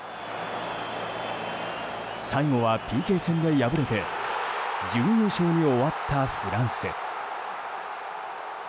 最後はＰＫ戦で敗れて準優勝に終わったフランス。